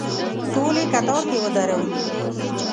ټول یې کتار کې ودرولو.